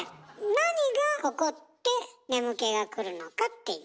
なにが起こって眠気がくるのかっていう。